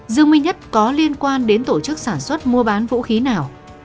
dương minh nhất có liên quan đến tổ chức sản xuất mua bán vũ khí nào